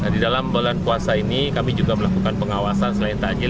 di dalam bulan puasa ini kami juga melakukan pengawasan selain takjil